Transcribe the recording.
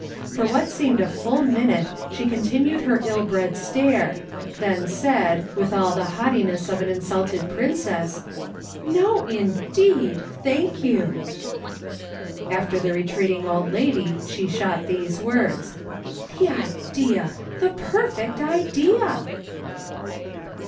For what seemed a full minute she continued her ill bred stare, then said, with all the haughtiness of an insulted princess :" No, indeed ! thank you." After the retreating old lady she shot these words :" The idea ! the perfect idea